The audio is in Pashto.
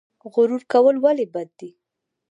غرور کول ولې بد دي؟